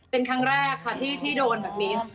เป็นครั้งแรกค่ะที่โดนแบบนี้